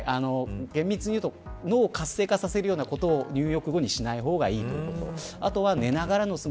厳密に言うと脳を活性化させるようなことを入浴後にしない方がいいということ。